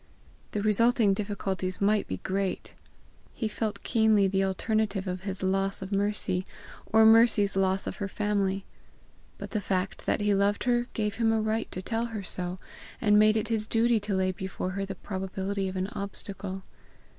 The resulting difficulties might be great; he felt keenly the possible alternative of his loss of Mercy, or Mercy's loss of her family; but the fact that he loved her gave him a right to tell her so, and made it his duty to lay before her the probability of an obstacle.